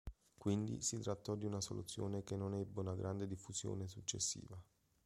Quindi si trattò di una soluzione che non ebbe una grande diffusione successiva.